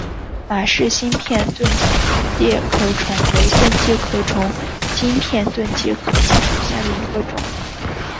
马氏新片盾介壳虫为盾介壳虫科新片盾介壳虫属下的一个种。